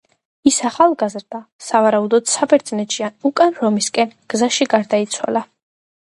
ის ახალგაზრდა, სავარაუდოდ საბერძნეთში ან უკან რომისკენ გზაში გარდაიცვალა.